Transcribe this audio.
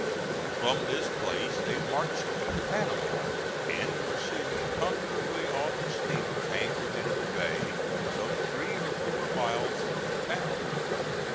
From this place they marched to Panama, and were soon comfortably on the steamer anchored in the bay, some three or four miles from the town.